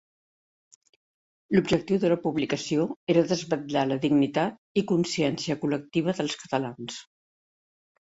L'objectiu de la publicació era desvetllar la dignitat i consciència col·lectiva dels catalans.